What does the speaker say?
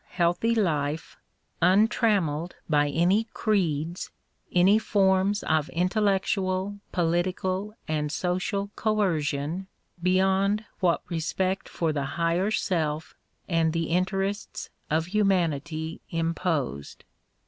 146 EMERSON healthy life, untrammelled by any creeds, any forms of intellectual, political, and social coercion beyond what respect for the higher self and the interests of humanity imposed.